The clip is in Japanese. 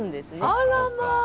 あらまあ。